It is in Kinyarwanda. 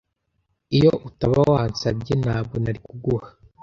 Iyo utaba wansabye, ntabwo nari kuguha.